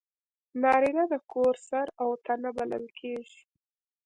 نارینه د کور سر او تنه بلل کېږي.